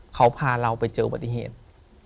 เขาพาเราไปเจอปฏิเหตุ